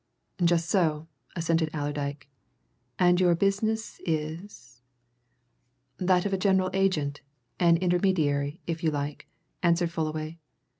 "Just so," assented Allerdyke. "And your business " "That of a general agent an intermediary, if you like," answered Fullaway.